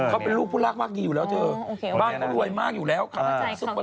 เขาเป็นลูกผู้รักมากดีอยู่แล้วเธอโอเคบ้างเขารวยมากอยู่แล้วค่ะอ่า